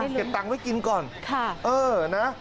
เก็บตังค์ไว้กินก่อนนะ